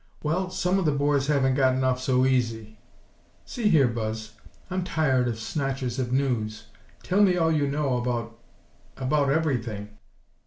"Well, some of the boys haven't gotten off so easy." "See here, Buzz, I'm tired of snatches of news. Tell me all you know about about everything.